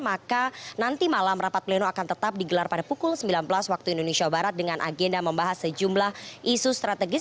maka nanti malam rapat pleno akan tetap digelar pada pukul sembilan belas waktu indonesia barat dengan agenda membahas sejumlah isu strategis